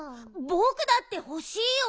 ぼくだってほしいよ。